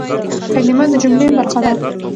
کلیمه د جملې برخه ده.